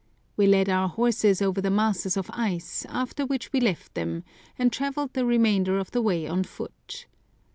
We led our horses over the masses of ice, after which we left them, and travelled the remainder of the way on foot.